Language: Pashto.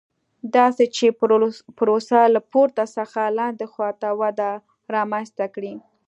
داسې چې پروسه له پورته څخه لاندې خوا ته وده رامنځته کړي.